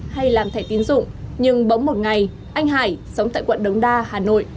hay làm thẻ tiến dụng nhưng bỗng một ngày anh hải sống tại quận đống đa hà nội